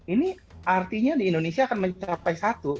ini artinya di indonesia akan mencapai satu